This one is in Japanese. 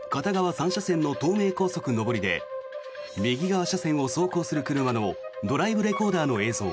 ３車線の東名高速上りで右側車線を走行する車のドライブレコーダーの映像。